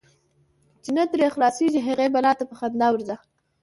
چی نه ترې خلاصیږې، هغی بلا ته په خندا ورځه .